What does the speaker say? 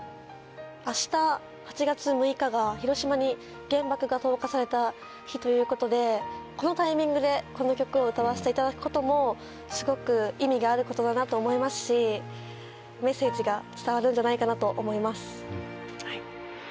明日８月６日が広島に原爆が投下された日ということでこのタイミングでこの曲を歌わせていただくこともすごく意味があることだなと思いますしメッセージが伝わるんじゃないかなと思います。